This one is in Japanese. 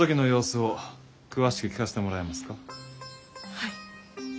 はい。